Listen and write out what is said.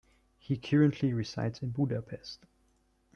He currently resides in Budapest.